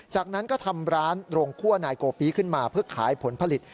จากนั้นก็ทำร้านโรงคั่วนายโกปีขึ้นมาเพื่อขายผลผลิต